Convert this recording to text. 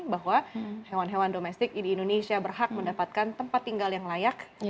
bahwa hewan hewan domestik di indonesia berhak mendapatkan tempat tinggal yang layak